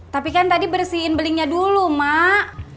tapi kan tadi bersihin belinya dulu mak